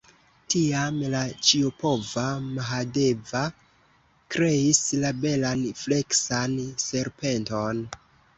Tiam la ĉiopova Mahadeva kreis la belan, fleksan serpenton.